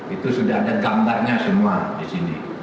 itu sudah ada gambarnya semua di sini